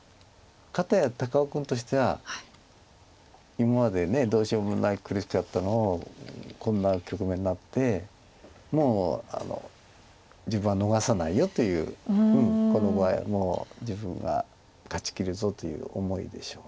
片や高尾君としては今までどうしようもない苦しかったのをこんな局面になってもう自分は逃さないよというこの場合もう自分が勝ちきるぞという思いでしょう。